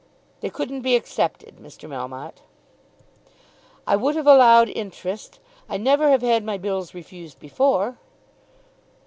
"They couldn't be accepted, Mr. Melmotte." "I would have allowed interest. I never have had my bills refused before."